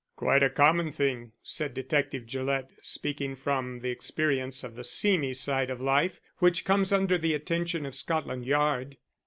"Quite a common thing," said Detective Gillett, speaking from the experience of the seamy side of life which comes under the attention of Scotland Yard.